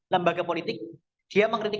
lembaga politik dia mengkritik